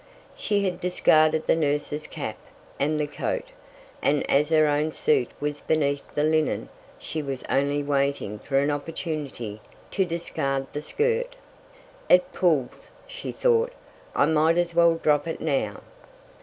She had discarded the nurse's cap, and the coat, and as her own suit was beneath the linen, she was only waiting for an opportunity to discard the skirt. "It pulls," she thought. "I might as well drop it now."